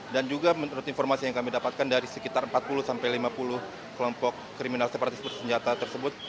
dan juga menurut informasi yang kami dapatkan dari sekitar empat puluh lima puluh kelompok kriminal separatis bersenjata tersebut